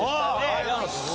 ありがとうございます。